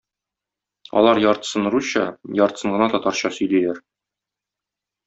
Алар яртысын русча, яртысын гына татарча сөйлиләр.